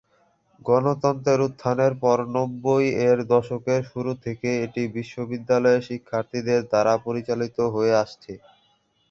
গণতন্ত্রের উত্থানের পর, নব্বই এর দশকের শুরু থেকে এটি বিশ্ববিদ্যালয়ের শিক্ষার্থীদের দ্বারা পরিচালিত হয়ে আসছে।